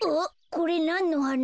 これなんのはな？